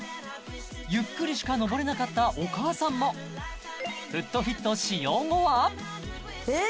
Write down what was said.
ゆっくりしか上れなかったお母さんもＦｏｏｔＦｉｔ使用後はえ